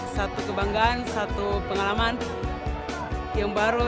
satu kebanggaan satu pengalaman yang baru